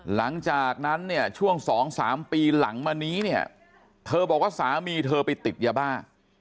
หลังจากนั้นเนี่ยช่วง๒๓ปีหลังมานี้เนี่ยเธอบอกว่าสามีเธอไปติดยาบ้า